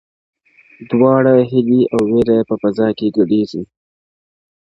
دواړه هيلې او وېره په فضا کي ګډېږي-